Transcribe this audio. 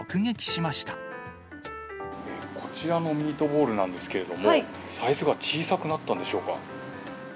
こちらのミートボールなんですけれども、サイズが小さくなったんでしょうか。